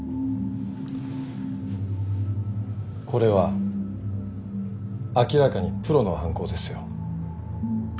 これは明らかにプロの犯行ですよ。